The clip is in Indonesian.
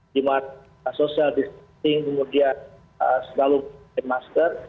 di mana sosial distrik kemudian setelah